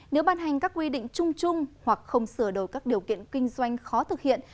nếu ban hành các quy định chung chung hoặc không sửa đổi các điều kiện kinh doanh khó thực hiện